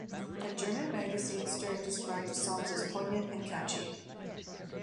The German magazine "Stern" described the songs as poignant and catchy.